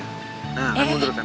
nah kamu mundurkan